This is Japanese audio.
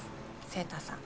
晴太さん